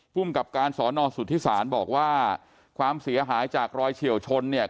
ภูมิกับการสอนอสุทธิศาลบอกว่าความเสียหายจากรอยเฉียวชนเนี่ย